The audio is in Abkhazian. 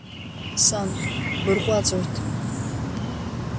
Сан бырҟәаҵ урҭ!